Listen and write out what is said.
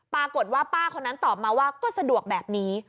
ปรากฏว่าป้าคนนั้นตอบมาว่าก็สะดวกแบบนี้